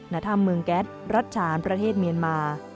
ณธรรมเมืองแก๊สรัชฌาประเทศเมียนมา